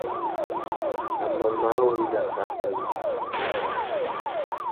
A mà māh wenga kā kawi.